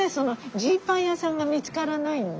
ジーパン屋さんが見つからないんで。